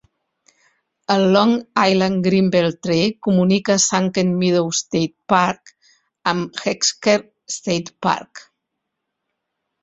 El Long Island Greenbelt Trail comunica Sunken Meadow State Park amb Heckscher State Park.